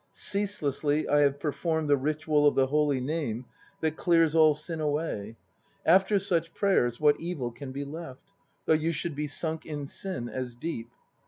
Ceaselessly I have performed the ritual of the Holy Name that clears all sin away. After such prayers, what evil can be left? Though you should be sunk in sin as deep